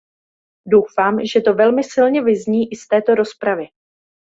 Doufám, že to velmi silně vyzní i z této rozpravy.